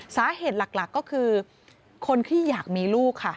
สาเหตุหลักก็คือคนที่อยากมีลูกค่ะ